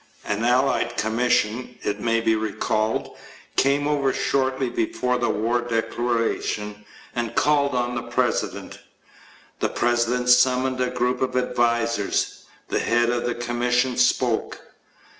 An allied commission, it may be recalled, came over shortly before the war declaration and called on the President. The President summoned a group of advisers. The head of the commission spoke.